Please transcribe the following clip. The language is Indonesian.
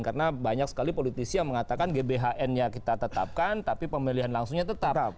karena banyak sekali politisi yang mengatakan gbhnnya kita tetapkan tapi pemilihan langsungnya tetap